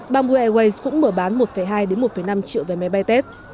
bamboo airways cũng mở bán một hai một năm triệu vé máy bay tết